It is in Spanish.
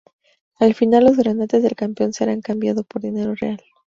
Al final, los granates del campeón serán cambiado por dinero real.